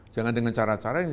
jangan dengan cara cara yang